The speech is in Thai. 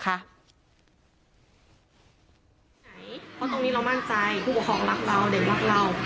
เพราะตรงนี้เรามั่นใจผู้ปกครองรักเราเด็กรักเรา